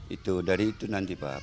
itu dari itu nanti pak